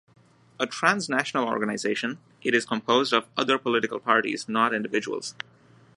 A transnational organisation, it is composed of other political parties, not individuals.